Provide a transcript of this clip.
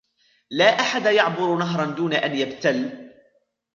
لا أحد يعبر نهرا دون أن يبتل.